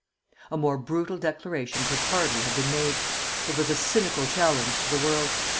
A more brutal declaration could hardly have been made. It was a cynical challenge to the World.